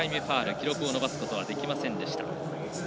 記録を伸ばすことはできませんでした。